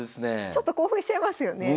ちょっと興奮しちゃいますよね。